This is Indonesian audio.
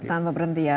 tanpa berhenti ya